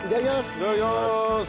いただきまーす！